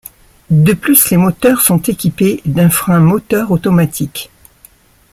De plus, les moteurs sont équipés d'un frein moteur automatique.